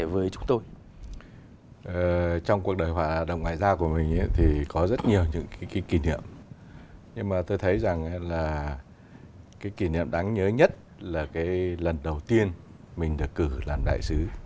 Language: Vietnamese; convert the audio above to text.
và cái kỷ niệm đáng nhớ nhất là cái lần đầu tiên mình được cử làm đại sứ